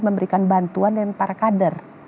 memberikan bantuan dengan para kader